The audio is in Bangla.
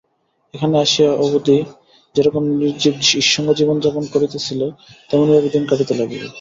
এখানে আসিয়া অবধি যেরকম নিজীব নিঃসঙ্গ জীবন যাপন করিতেছিল তেমনিভাবে দিন কাটিতে লাগিল।